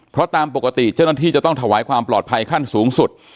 เพราะตามปกติเจ้าหน้าที่จะต้องถวายความปลอดภัยขั้นสูงสุด